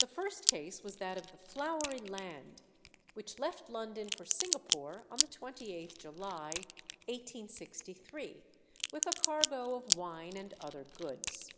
The first case was that of the 'Flowery Land,' which left London for Singapore on the 28th July, 1863, with a cargo of wine and other goods.